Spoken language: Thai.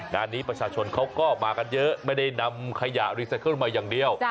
งานนี้ประชาชนเขาก็มากันเยอะไม่ได้นำขยะรีไซเคิลมาอย่างเดียว